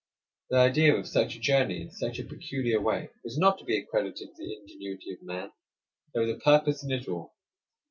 The idea of such a journey, in such a peculiar way, was not to be accredited to the ingenuity of man. There was a purpose in it all.